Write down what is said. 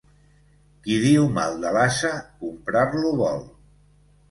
Qui diu mal de l'ase, comprar-lo vol.